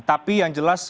tapi yang jelas